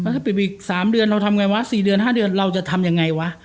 ถ้าปิดไปอีก๓เดือนเราทำไงวะ๔เดือน๕เดือนเราจะทำยังไงวะ